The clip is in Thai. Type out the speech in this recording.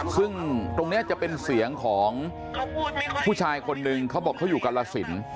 ซึ่งตรงนี้จะเป็นเสียงของผู้ชายคนหนึ่งเขาบอกเขาอยู่กรสิน